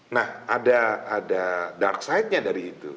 nah ada dark side nya dari itu